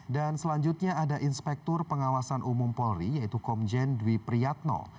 dan selanjutnya ada inspektur pengawasan umum polri yaitu komjen dwi priyatno